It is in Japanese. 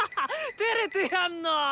てれてやんの！